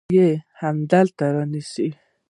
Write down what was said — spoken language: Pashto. يا يې همدلته رانيسو.